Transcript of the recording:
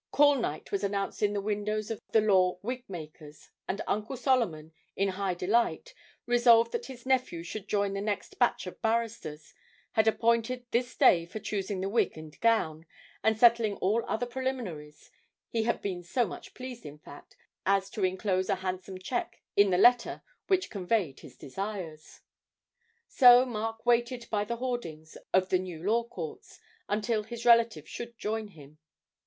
'Call night' was announced in the windows of the law wig makers, and Uncle Solomon, in high delight, resolved that his nephew should join the next batch of barristers, had appointed this day for choosing the wig and gown and settling all other preliminaries he had been so much pleased, in fact, as to inclose a handsome cheque in the letter which conveyed his desires. So Mark waited by the hoardings of the New Law Courts, until his relative should join him.